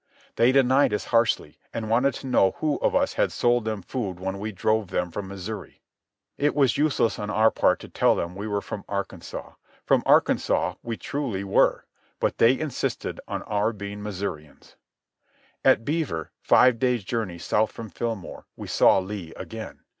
They denied us harshly, and wanted to know who of us had sold them food when we drove them from Missouri. It was useless on our part to tell them we were from Arkansas. From Arkansas we truly were, but they insisted on our being Missourians. At Beaver, five days' journey south from Fillmore, we saw Lee again.